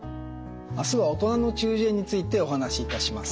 明日は「大人の中耳炎」についてお話しいたします。